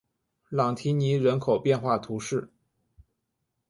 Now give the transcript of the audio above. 朗提尼人口变化图示